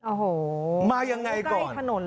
โอ้โหได้ถนนเลยมายังไงก่อน